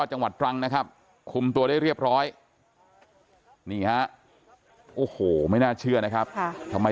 จังหวัดตรังนะครับคุมตัวได้เรียบร้อยนี่ฮะโอ้โหไม่น่าเชื่อนะครับทำไม